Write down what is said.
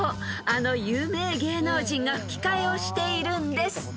あの有名芸能人が吹き替えをしているんです］